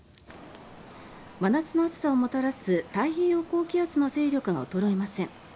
真夏の暑さをもたらす太平洋高気圧の勢力が衰えません。